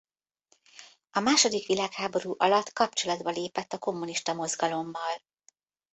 A második világháború alatt kapcsolatba lépett a kommunista mozgalommal.